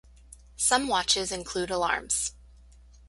Some watches include alarms.